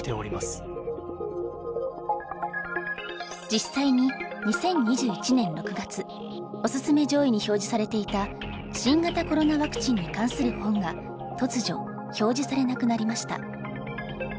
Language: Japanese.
実際に２０２１年６月「おすすめ」上位に表示されていた新型コロナワクチンに関する本が突如表示されなくなりました。